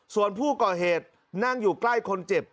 ส่วนผู้ก่อเหตุนั่งอยู่ใกล้คนเจ็บ